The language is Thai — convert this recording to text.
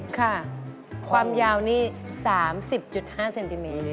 ค่ะความยาวนี่๓๐๕เซนติเมตรเลย